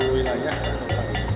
jadi kita harus berhati hati